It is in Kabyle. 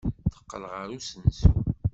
Teqqel ɣer usensu.